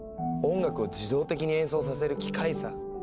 音楽を自動的に演奏させる機械さ。